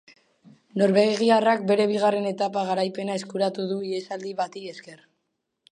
Norvegiarrak bere bigarren etapa-garaipena eskuratu du ihesaldi bati esker.